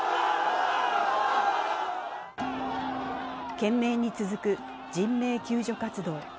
懸命に続く人命救助活動。